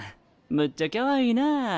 むっちゃきゃわいいなぁ。